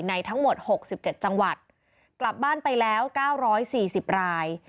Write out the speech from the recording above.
ในทั้งหมดหกสิบเจ็ดจังหวัดกลับบ้านไปแล้วเก้าร้อยสี่สิบราย